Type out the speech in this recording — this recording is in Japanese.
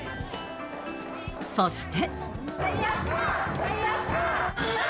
そして。